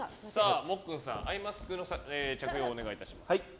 もっくんさん、アイマスクの着用をお願いします。